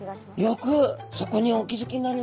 よくそこにお気付きになりました。